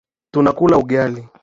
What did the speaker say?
Tutakula ugali